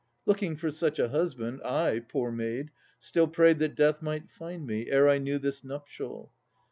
Looking for such a husband, I, poor girl! Still prayed that Death might find me, ere I knew That nuptial.